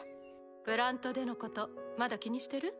プラントでのことまだ気にしてる？